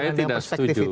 ya saya tidak setuju